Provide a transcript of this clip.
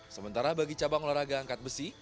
sementara bagi cabang olahraga angkat besi